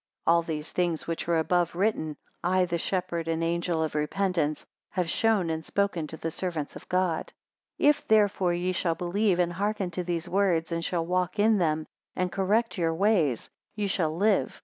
275 All these things which are above written, I the shepherd and angel of repentance, have shown and spoken to the servants of God. 276 If therefore ye shall believe and hearken to these words, and shall walk in them and correct your ways, ye shall live.